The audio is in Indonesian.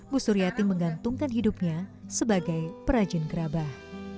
pusuryati menggantungkan hidupnya sebagai perajin kerabah